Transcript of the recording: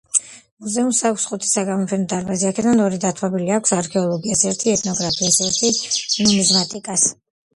მუზეუმს აქვს ხუთი საგამოფენო დარბაზი, აქედან ორი დათმობილი აქვს არქეოლოგიას, ერთი ეთნოგრაფიას, ერთი ნუმიზმატიკას.